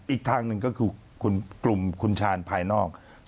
อีกทางหนึ่งก็คือกลุ่มคุณชาญภายนอก